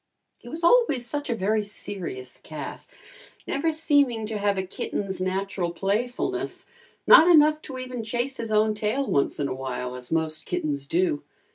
He was always such a very serious cat, never seeming to have a kitten's natural playfulness, not enough to even chase his own tail once in a while as most kittens do.